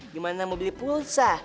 gimana mau beli pulsa